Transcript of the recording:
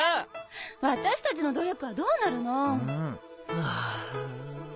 私たちの努力はどうなるの？ハァ。